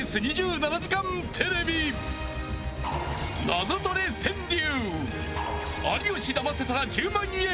［『ナゾトレ川柳』］